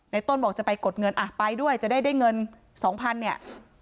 ต้นบอกจะไปกดเงินอ่ะไปด้วยจะได้เงิน๒๐๐เนี่ย